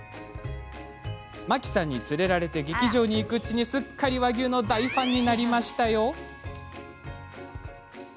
真紀さんに連れられて劇場に行くうちにすっかり和牛の大ファンに。